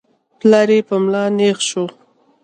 پلار يې په ملا نېغ شو.